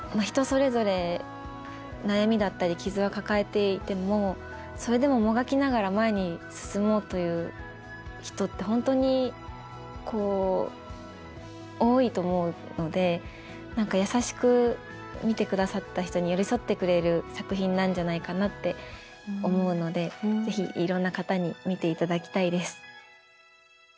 人それぞれ悩みだったり傷は抱えていてもそれでももがきながら前に進もうという人って本当にこう多いと思うので何か優しく見てくださった人に寄り添ってくれる作品なんじゃないかなって思うので是非いろんな方に見ていただきたいです。